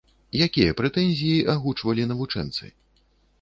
Якія прэтэнзіі агучвалі навучэнцы?